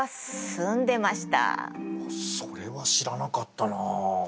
あっそれは知らなかったなあ。